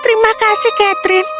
terima kasih catherine